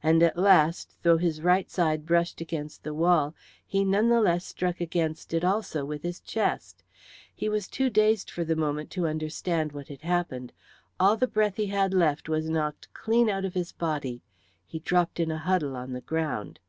And at last, though his right side brushed against the wall, he none the less struck against it also with his chest. He was too dazed for the moment to understand what had happened; all the breath he had left was knocked clean out of his body; he dropped in a huddle on the ground.